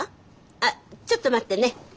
あちょっと待ってね。